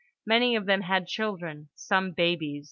Many of them had children; some babies.